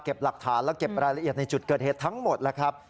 หลักฐานและเก็บรายละเอียดในจุดเกิดเหตุทั้งหมดแล้วครับ